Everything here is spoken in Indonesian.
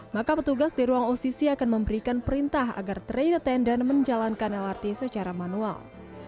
maka petugas di ruang occ akan memberikan perintah agar train attendant menjalankan lrt secara manual